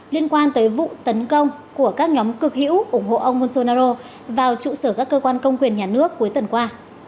liên quan tới vụ tấn công của các nhóm cực hữu ủng hộ ông mansonaro vào trụ sở các cơ quan công quyền nhà nước cuối tuần qua